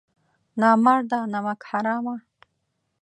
نامرده نمک حرامه!